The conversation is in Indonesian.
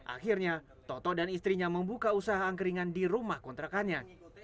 akhirnya toto dan istrinya membuka usaha angkringan di rumah kontrakannya